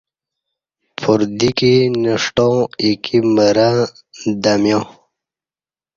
پردیکی نݜٹاں ایکی مرں دمیا